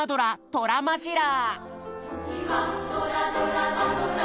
トラマジラ！」